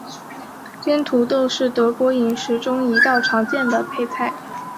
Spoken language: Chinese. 煎土豆是德国饮食中一道常见的配菜。